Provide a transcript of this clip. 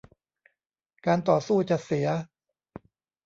การต่อสู้จะเสีย